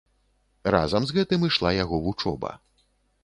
Разам з гэтым ішла яго вучоба.